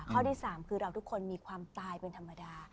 ข้อที่๓คือเราทุกคนมีความตายเป็นธรรมดา